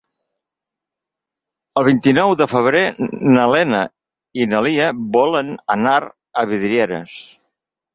El vint-i-nou de febrer na Lena i na Lia volen anar a Vidreres.